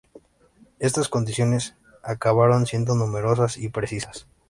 Estas condiciones acabaron siendo numerosas y precisas.